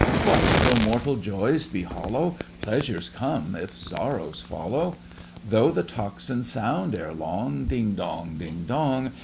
What though mortal joys be hollow? Pleasures come, if sorrows follow: Though the tocsin sound, ere long, Ding dong! Ding dong!